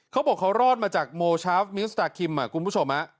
เขาบอกเขารอดมาจากโมชาฟมิวสตาร์คิมคุณผู้ชม